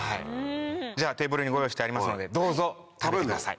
じゃあテーブルにご用意してありますのでどうぞ食べてみてください。